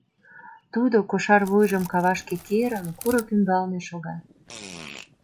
Тудо, кошар вуйжым кавашке керын, курык ӱмбалне шога.